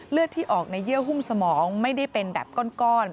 เลือดที่ออกในเยื่อหุ้มสมองไม่ได้เป็นแบบก้อน